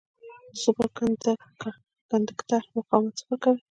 د سوپر کنډکټر مقاومت صفر کوي.